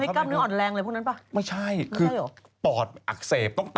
ที่เธอทำให้กล้ามเนื้ออ่อนแรงเลยพวกนั้นป่ะ